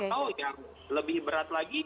atau yang lebih berat lagi